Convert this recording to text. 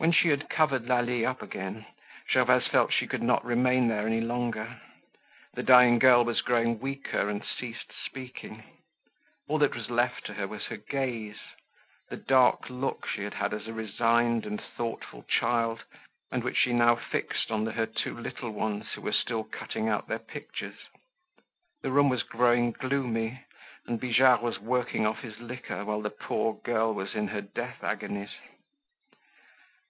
When she had covered Lalie up again, Gervaise felt she could not remain there any longer. The dying girl was growing weaker and ceased speaking; all that was left to her was her gaze—the dark look she had had as a resigned and thoughtful child and which she now fixed on her two little ones who were still cutting out their pictures. The room was growing gloomy and Bijard was working off his liquor while the poor girl was in her death agonies.